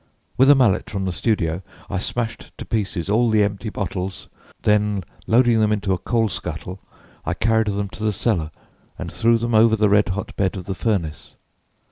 With a mallet from the studio I smashed to pieces all the empty bottles, then loading them into a coal scuttle, I carried them to the cellar and threw them over the red hot bed of the furnace.